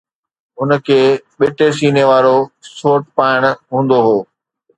هن کي ٻٽي سيني وارو سوٽ پائڻ هوندو هو.